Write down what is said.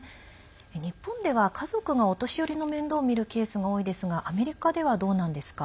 日本では、家族がお年寄りの面倒を見るケースが多いですがアメリカでは、どうなんですか？